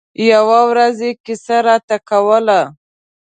يوه ورځ يې کیسه راته کوله.